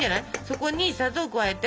そこに砂糖を加えて。